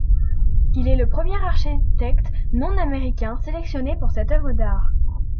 Il est le premier architecte non américain sélectionné pour cette œuvre d'art.